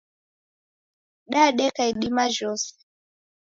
Dadeka idima jhose.